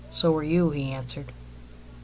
"So are you," he answered. IX.